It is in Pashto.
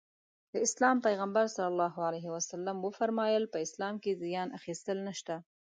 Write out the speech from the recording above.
د اسلام پيغمبر ص وفرمايل په اسلام کې زيان اخيستل نشته.